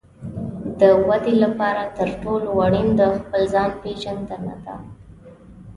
د ودې لپاره تر ټولو اړین د خپل ځان پېژندنه ده.